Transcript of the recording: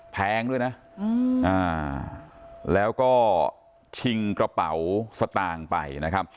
แพงด้วยนะแล้วก็ชิงกระเป๋าสตางค์ไปนะครับ